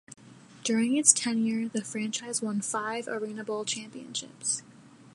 During its tenure the franchise won five ArenaBowl championships.